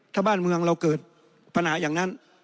ถ้าบ้านเมืองเราเกิดปัญหาอย่างนั้น